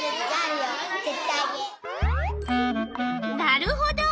なるほど！